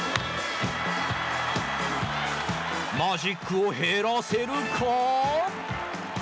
マジックを減らせるか！？